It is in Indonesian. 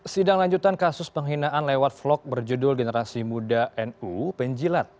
sidang lanjutan kasus penghinaan lewat vlog berjudul generasi muda nu penjilat